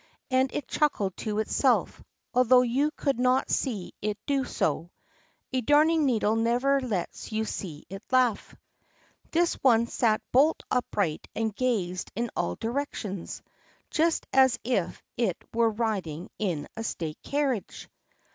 And it chuckled to itself, although you could not see it do so. A darning needle never lets you see it laugh. This one sat bolt upright and gazed in all directions, just as if it were riding in a state carriage.